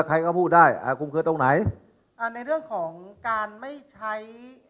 ใครก็พูดได้อ่าคุมเคลือตรงไหนอ่าในเรื่องของการไม่ใช้